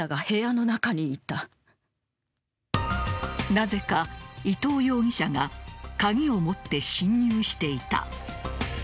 なぜか伊藤容疑者が鍵を持って侵入していた。